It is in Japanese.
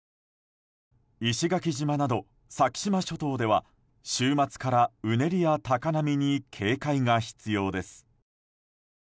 石垣島など先島諸島では週末からうねりや高波に警戒が必要です。